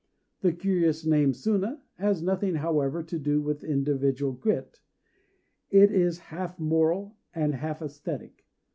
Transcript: The curious name Suna has nothing, however, to do with individual "grit": it is half moral and half æsthetic.